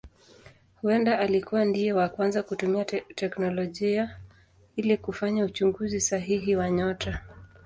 Huenda alikuwa ndiye wa kwanza kutumia teknolojia ili kufanya uchunguzi sahihi wa nyota.